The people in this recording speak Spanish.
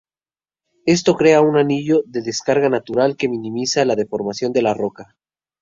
Esto crea una anillo de descarga natural que minimiza la deformación de la roca.